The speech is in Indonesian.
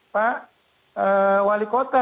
pak wali kota